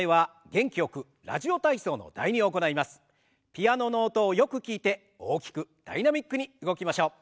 ピアノの音をよく聞いて大きくダイナミックに動きましょう。